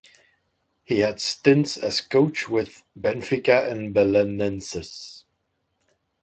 He had stints as coach with Benfica and Belenenses.